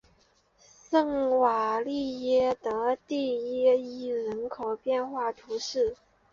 圣瓦利耶德蒂耶伊人口变化图示